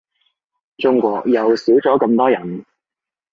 中國又少咗咁多人